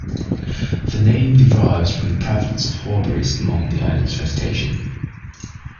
The name derives from the prevalence of hawberries among the island's vegetation.